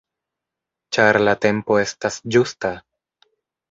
Ĉar la tempo estas ĝusta!